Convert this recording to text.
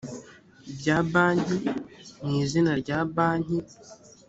bya banki mu izina rya banki